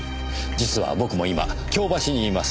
実は僕も今京橋にいます。